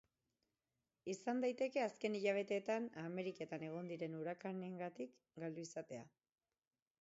Izan daiteke azken hilabeteetan Ameriketan egon diren urakanengatik galdu izatea.